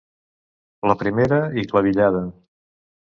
La primera, i clavillada.